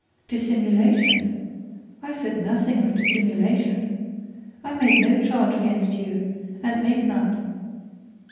'Dissimulation! I said nothing of dissimulation. I made no charge against you, and make none.